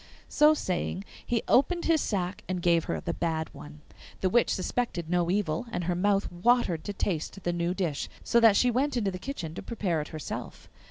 So saying, he opened his sack and gave her the bad one. The witch suspected no evil, and her mouth watered to taste the new dish, so that she went into the kitchen to prepare it herself.